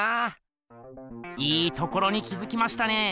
いいところに気づきましたね。